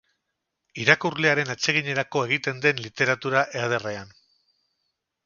Irakurlearen atseginerako egiten den literatura ederrean.